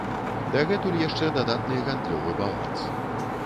Дагэтуль яшчэ дадатны гандлёвы баланс.